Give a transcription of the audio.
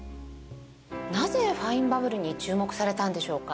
なぜファインバブルに注目されたのでしょうか？